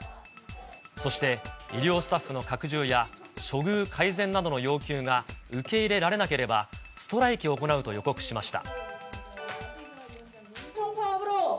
そして医療スタッフの拡充や、処遇改善などの要求が受け入れられなければ、ストライキを行うと予告しました。